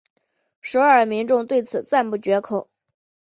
首尔民众对此赞不绝口。